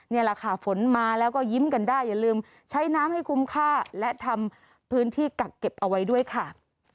นี่แหละค่ะฝนมาแล้วก็ยิ้มกันได้อย่าลืมใช้น้ำให้คุ้มค่าและทำพื้นที่กักเก็บเอาไว้ด้วยค่ะ